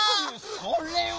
それは。